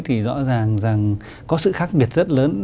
thì rõ ràng rằng có sự khác biệt rất lớn